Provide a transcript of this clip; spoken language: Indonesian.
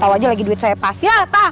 tau aja lagi duit saya pas ya